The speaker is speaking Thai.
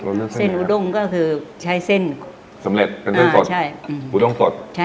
เราเลือกเส้นอุด้งก็คือใช้เส้นสำเร็จเป็นเส้นสดใช่อุด้งสดใช่